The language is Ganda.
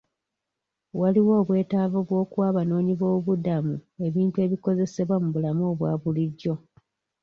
Waliwo obwetaavu bw'okuwa abanoonyiboobudamu ebintu ebikozesebwa mu bulamu obwa bulijjo.